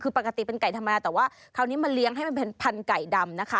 คือปกติเป็นไก่ธรรมดาแต่ว่าคราวนี้มาเลี้ยงให้มันเป็นพันธไก่ดำนะคะ